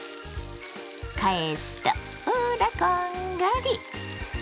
返すとほらこんがり！